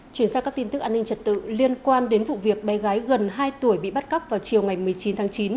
chuyển sang các tin tức an ninh trật tự liên quan đến vụ việc bé gái gần hai tuổi bị bắt cóc vào chiều ngày một mươi chín tháng chín